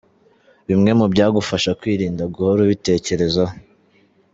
Bimwe mu byagufasha kwirinda guhora ubitekerezaho.